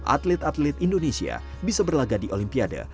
atlet atlet indonesia bisa berlagak di olimpiade